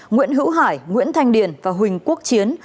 nguyễn hữu hải nguyễn thanh điền và huỳnh quốc chiến